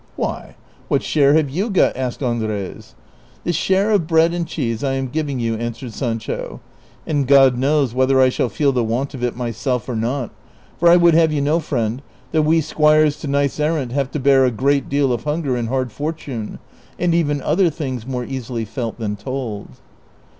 " Why, what share have you got ?" asked Andres. " This share of bread and cheese I am giving you," answered Sancho ;" and God knows whether I shall feel the want of it myself or not ; for I would have you know, friend, that we squires to knights errant have to bear a great deal of hmiger and hard fortune, and even other things more easily felt than told."